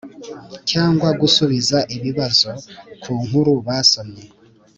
cyangwa gusubiza ibibazo ku nkuru basomye.